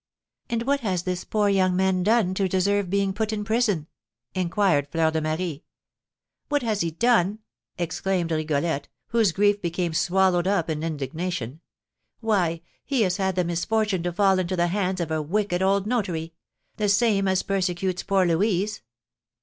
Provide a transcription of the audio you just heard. "And what has this poor young man done to deserve being put in prison?" inquired Fleur de Marie. "What has he done?" exclaimed Rigolette, whose grief became swallowed up in indignation; "why, he has had the misfortune to fall into the hands of a wicked old notary, the same as persecutes poor Louise."